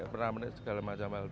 atau pernah pernik segala macam hal